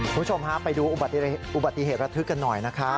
คุณผู้ชมฮะไปดูอุบัติเหตุระทึกกันหน่อยนะคะ